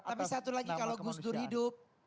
tapi satu lagi kalau gus dur hidup